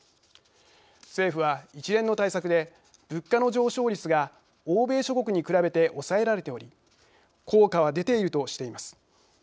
政府は、一連の対策で物価の上昇率が欧米諸国に比べて抑えられており効果は出ているとしています。